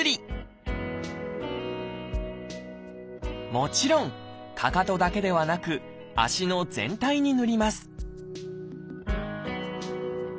もちろんかかとだけではなく足の全体にぬります